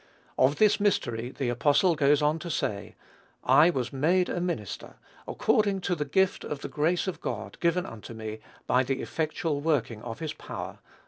Of this mystery the apostle goes on to say, "I was made a minister, according to the gift of the grace of God, given unto me, by the effectual working of his power."